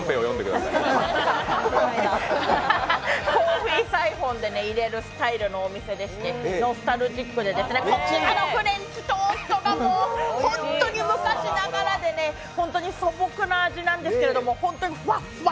コーヒーサイフォンでいれるタイプのお店でして、ノスタルジックでこちらのフレンチトーストが昔ながらでホントに素朴な味なんですけども、ホントにふわっふわ。